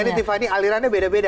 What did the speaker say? ini tiffany alirannya beda beda